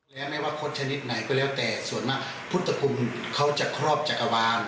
และไม่ว่าคดชนิดไหนก็แล้วแต่ส่วนมากพุทธคุณเขาจะครอบจักรวาล